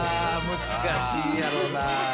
難しいやろうな。